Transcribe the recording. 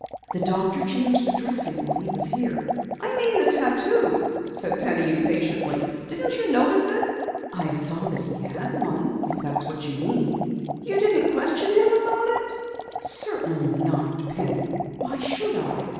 The doctor changed the dressing while he was here." "I mean the tattoo," said Penny impatiently. "Didn't you notice it?" "I saw that he had one, if that's what you mean." "You didn't question him about it?" "Certainly not, Penny. Why should I?"